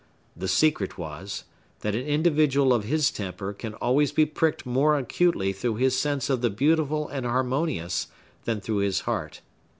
The secret was, that an individual of his temper can always be pricked more acutely through his sense of the beautiful and harmonious than through his heart.